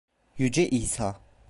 Yüce İsa.